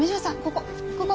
ここ。